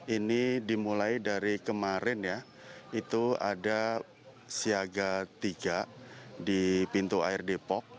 ini dimulai dari kemarin ya itu ada siaga tiga di pintu air depok